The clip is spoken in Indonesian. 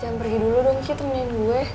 ki jangan pergi dulu dong temenin gue